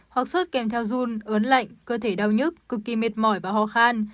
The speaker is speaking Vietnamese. hoặc sốt kèm theo dun ớn lạnh cơ thể đau nhức cực kỳ mệt mỏi và ho khan